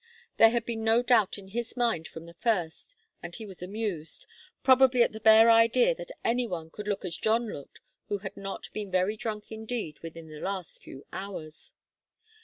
There had been no doubt in his mind from the first, and he was amused probably at the bare idea that any one could look as John looked who had not been very drunk indeed within the last few hours.